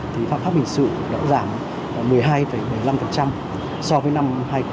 thì pháp pháp bình sự đã giảm một mươi hai bảy mươi năm so với năm hai nghìn hai mươi một